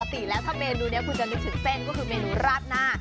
ปกติแล้วถ้าเมนูนี้คุณจะนึกถึงเส้นก็คือเมนูราดหน้า